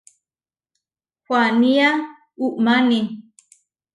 Huanía umáni.